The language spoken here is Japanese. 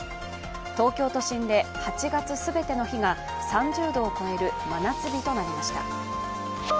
東京都心で８月全ての日が３０度を超える真夏日となりました。